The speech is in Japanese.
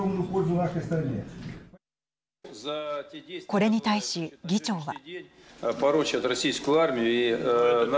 これに対し議長は。